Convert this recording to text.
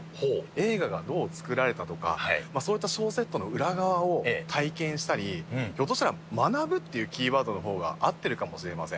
映画がどう作られたとか、そういったショーセットの裏側を体験したり、ひょっとしたら学ぶっていうキーワードのほうが合ってるかもしれません。